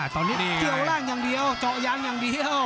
เจาะล่างอย่างเดียวเจาะยางอย่างเดียว